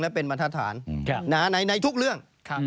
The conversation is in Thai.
และเป็นบรรทฐานในทุกเรื่อง